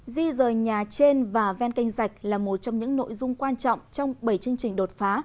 di rời nhà trên và ven canh rạch là một trong những nội dung quan trọng trong bảy chương trình đột phá